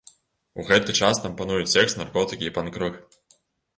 У гэты час там пануюць сэкс, наркотыкі і панк-рок.